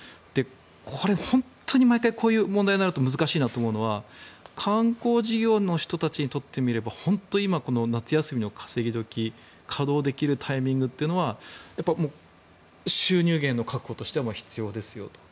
これ、本当に毎回こういう問題になると難しいなと思うのは観光事業の人たちにとってみれば本当に今、この夏休みの稼ぎ時稼働できるタイミングというのは収入源の確保としては必要ですよと。